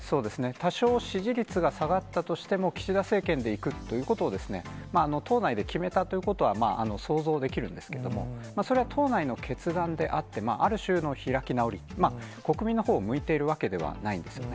多少、支持率が下がったとしても、岸田政権でいくということを、党内で決めたということは想像できるんですけども、それは党内の決断であって、ある種の開き直り、国民のほうを向いているわけではないんですよね。